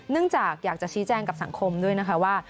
เนื่องจากอยากจะชี้แจ้งกับสังคมด้วยว่า